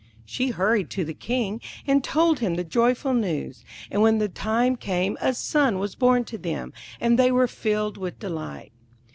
She hurried to the King, and told him the joyful news; and when the time came a son was born to them, and they were filled with delight.